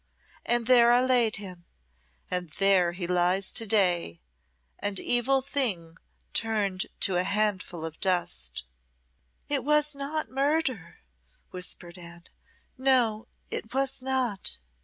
And there I laid him, and there he lies to day an evil thing turned to a handful of dust." "It was not murder," whispered Anne "no, it was not."